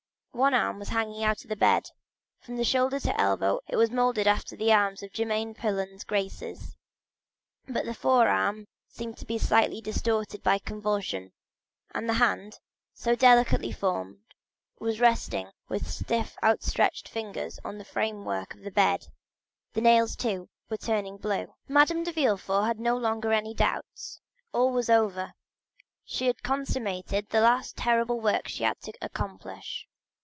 One arm was hanging out of the bed; from shoulder to elbow it was moulded after the arms of Germain Pillon's "Graces,"23 but the fore arm seemed to be slightly distorted by convulsion, and the hand, so delicately formed, was resting with stiff outstretched fingers on the framework of the bed. The nails, too, were turning blue. Madame de Villefort had no longer any doubt; all was over—she had consummated the last terrible work she had to accomplish.